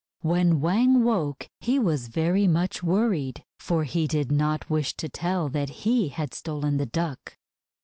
When Wang woke, he was very much worried, for he did not wish to tell that he had stolen the Duck.